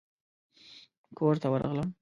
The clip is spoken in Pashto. کورته ورغلم.